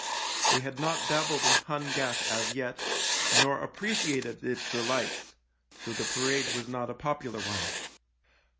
They had not dabbled in Hun gas as yet, nor appreciated its delights, so the parade was not a popular one.